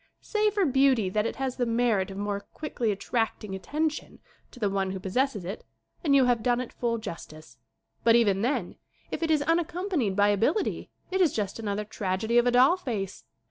Say for beauty that it has the merit of more quickly attracting attention to the one who possesses it and you have done it full jus tice. But even then, if it is unaccompanied by ability, it is just another tragedy of a doll face.